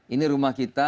ini rumah kita